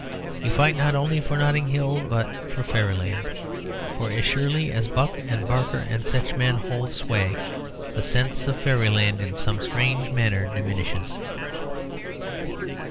You fight not only for Notting Hill, but for Fairyland, for as surely as Buck and Barker and such men hold sway, the sense of Fairyland in some strange manner diminishes."